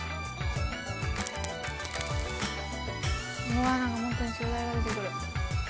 うわあなんかホントによだれが出てくる。